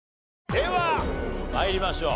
では参りましょう。